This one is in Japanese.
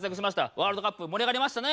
ワールドカップ盛り上がりましたね？